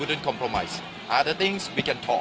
คุณคิดเรื่องนี้ได้ไหม